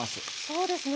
そうですね。